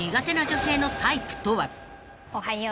おはよう。